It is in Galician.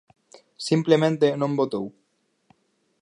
Simplemente non votou.